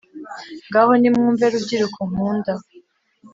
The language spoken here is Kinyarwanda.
Ngaho nimwumve rubyiruko nkunda